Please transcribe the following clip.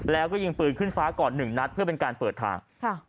แล้วก็ยิงปืนขึ้นฟ้าก่อนหนึ่งนัดเพื่อเป็นการเปิดทาง